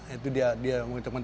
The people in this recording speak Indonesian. itu dia mengucapkan terima kasih